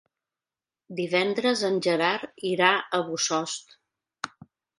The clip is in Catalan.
Divendres en Gerard irà a Bossòst.